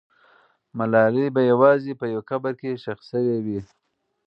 ملالۍ به یوازې په یو قبر کې ښخ سوې وي.